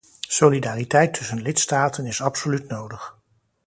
Solidariteit tussen lidstaten is absoluut nodig.